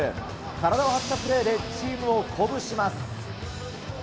体を張ったプレーでチームを鼓舞します。